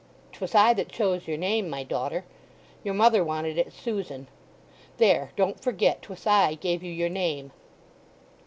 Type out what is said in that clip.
'Twas I that chose your name, my daughter; your mother wanted it Susan. There, don't forget 'twas I gave you your name!"